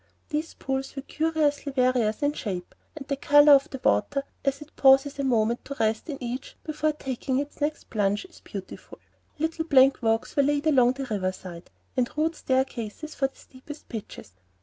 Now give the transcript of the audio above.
These pools are curiously various in shape, and the color of the water, as it pauses a moment to rest in each before taking its next plunge, is beautiful. Little plank walks are laid along the river side, and rude staircases for the steepest pitches.